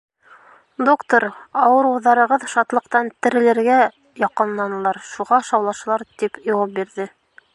— Доктор, ауырыуҙарығыҙ шатлыҡтан терелергә яҡынланылар, шуға шаулашалар, — тип яуап бирҙе.